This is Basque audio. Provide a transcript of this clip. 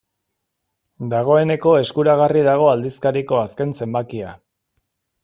Dagoeneko eskuragarri dago aldizkariko azken zenbakia.